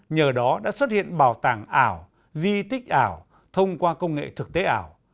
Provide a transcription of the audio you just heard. nhờ đó đã xuất hiện bảo tàng ảo di tích ảo thông qua công nghệ thực tế ảo